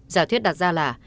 giả thuyết đặt ra là